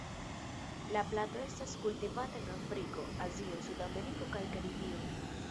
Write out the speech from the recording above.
La planto estas kultivata en Afriko, Azio, Sudameriko kaj Karibio.